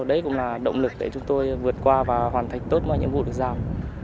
đấy cũng là động lực để chúng tôi vượt qua và hoàn thành tốt nhiệm vụ được sao